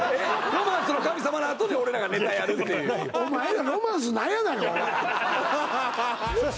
「ロマンスの神様」のあとで俺らがネタやるっていうお前らロマンスないやないかさあ